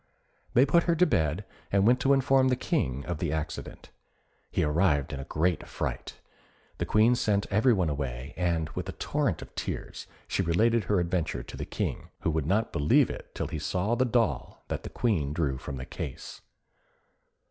They put her to bed, and went to inform the King of the accident. He arrived in a great fright. The Queen sent every one away, and, with a torrent of tears, she related her adventure to the King, who would not believe it till he saw the doll that the Queen drew from the case.